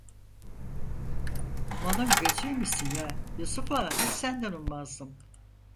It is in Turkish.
Malın gözü imişsin ya, Yusuf Ağa; hiç senden ummazdım.